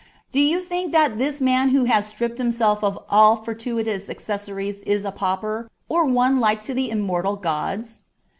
Do you think that this man who has stripped himself of all fortuitous accessories is a pauper, or one like to the immortal gods